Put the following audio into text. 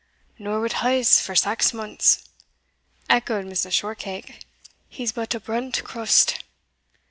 "Nor wi' huz for sax months," echoed Mrs. Shortcake "He's but a brunt crust."